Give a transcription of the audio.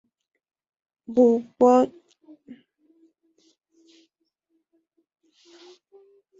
DuBois en la fundación de una nueva universidad.